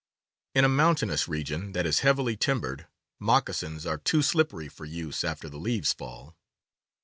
In a mountainous region that is heavily timbered, moccasins are too slippery for use after the leaves fall.